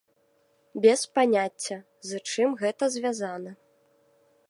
Без паняцця, з чым гэта звязана.